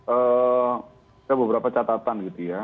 ada beberapa catatan gitu ya